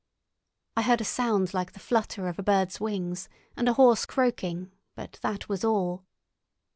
I heard a sound like the flutter of a bird's wings, and a hoarse croaking, but that was all.